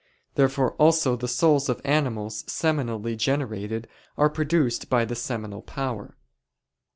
Therefore also the souls of animals seminally generated are produced by the seminal power.